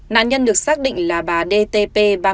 nạn nhân được xác định là bà dtp